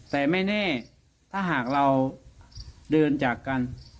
แต่ไม่แน่ถ้าหากเราเดินจากกัน